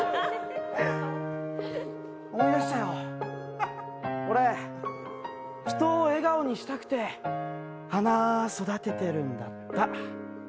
思い出したよ、俺、人を笑顔にしたくて花、育ててるんだった。